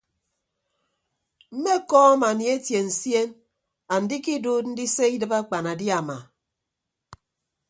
Mmekọọm anietie nsien andikiduud ndise idịb akpanadiama.